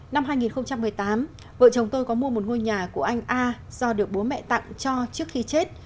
năm hai nghìn một mươi tám vợ chồng tôi có mua một ngôi nhà của anh a do được bố mẹ tặng cho trước khi chết